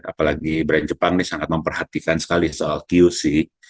apalagi brand jepang ini sangat memperhatikan sekali soal qc